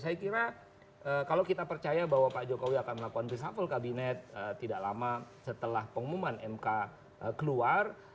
saya kira kalau kita percaya bahwa pak jokowi akan melakukan reshuffle kabinet tidak lama setelah pengumuman mk keluar